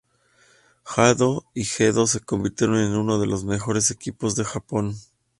Jado y Gedo se convirtieron en uno de los mejores equipos de Japón.